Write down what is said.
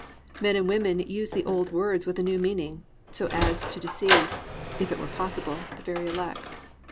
Men and women use the old words with a new meaning; so as to deceive, if it were possible, the very elect.